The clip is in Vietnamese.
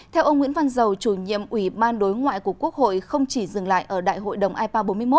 theo ông nguyễn văn dầu chủ nhiệm ủy ban đối ngoại của quốc hội không chỉ dừng lại ở đại hội đồng ipa bốn mươi một